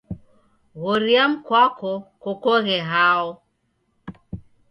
Ghoria mkwako kokoghe hao.